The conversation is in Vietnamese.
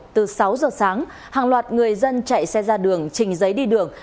từ sáu giờ sáng hàng loạt người dân chạy xe ra đường trình giấy đi đường